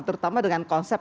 terutama dengan konsep